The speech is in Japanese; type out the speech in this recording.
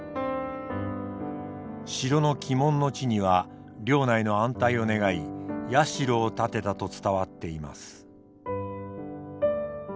城の鬼門の地には領内の安泰を願い社を建てたと伝わっています。